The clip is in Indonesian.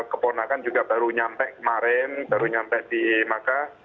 keponakan juga baru nyampe kemarin baru nyampe di mekah